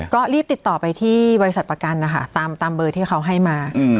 ก็รีบติดต่อไปที่บริษัทประกันนะคะตามเบอร์ที่เขาให้มา